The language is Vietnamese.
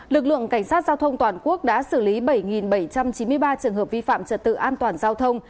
lực lượng cảnh sát giao thông toàn quốc đã xử lý bảy bảy trăm chín mươi ba trường hợp vi phạm trật tự an toàn giao thông